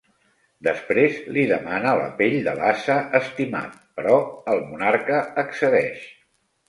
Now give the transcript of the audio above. Després li demana la pell de l'ase estimat, però el monarca accedeix.